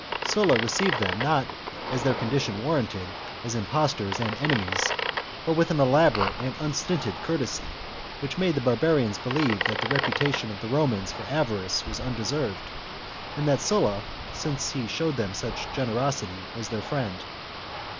Sulla received them not as their condition warranted, as impostors and enemies, but with an elaborate and unstinted courtesy, which made the barbarians believe that the reputation of the Romans for avarice was undeserved, and that Sulla, since he showed them such generosity, was their friend.